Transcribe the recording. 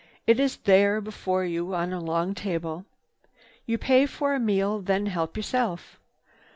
It is there before you on a long table. You pay for a meal, then help yourself.